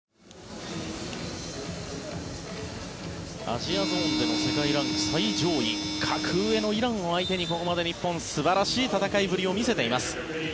アジアゾーンでの世界ランク最上位格上のイランを相手にここまで日本素晴らしい戦いぶりを見せています。